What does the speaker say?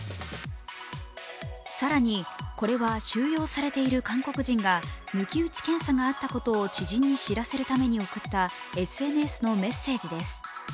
更にこれは収容されている韓国人が抜き打ち検査があったことを知人に知らせるために送ったＳＮＳのメッセージです。